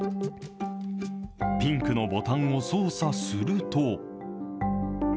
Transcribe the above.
ピンクのボタンを操作すると。